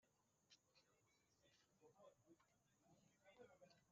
kugeza ubu irimo abanyamuryango bagera